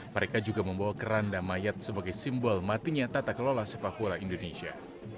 mereka juga membawa keranda mayat sebagai simbol matinya tata kelola sepak bola indonesia